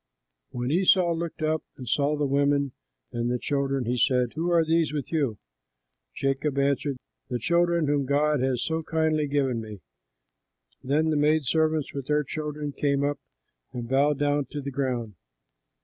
When Esau looked up and saw the women and the children, he said, "Who are these with you?" Jacob answered, "The children whom God has so kindly given me." Then the maid servants with their children came up and bowed down to the ground.